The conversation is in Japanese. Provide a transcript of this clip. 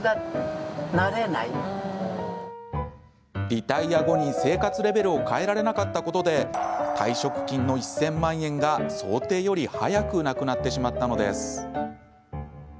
リタイア後に生活レベルを変えられなかったことで退職金の１０００万円が想定より早くなくなってしまったのです。